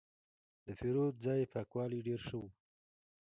د پیرود ځای پاکوالی ډېر ښه و.